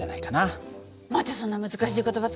またそんな難しい言葉使っちゃって！